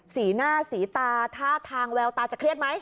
สีหน้าสีตาท่าทางแววตาจะเครียดไหม